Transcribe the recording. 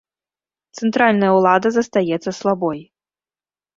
Цэнтральная ўлада застаецца слабой.